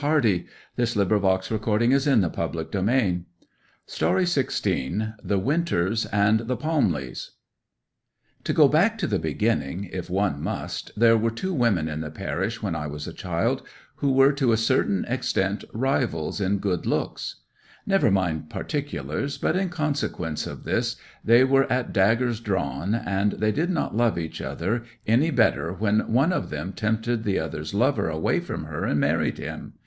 Finding that the van was still in a listening mood, she spoke on:— THE WINTERS AND THE PALMLEYS 'To go back to the beginning—if one must—there were two women in the parish when I was a child, who were to a certain extent rivals in good looks. Never mind particulars, but in consequence of this they were at daggers drawn, and they did not love each other any better when one of them tempted the other's lover away from her and married him.